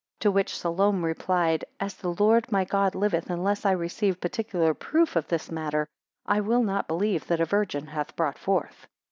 17 To which Salome replied, As the Lord my God liveth unless I receive particular proof of this matter, I will not believe that a virgin hath brought forth.